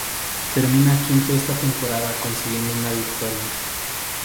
Termina quinto esta temporada consiguiendo una victoria.